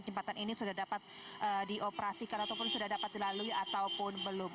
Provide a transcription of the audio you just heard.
jembatan ini sudah dapat dioperasikan ataupun sudah dapat dilalui ataupun belum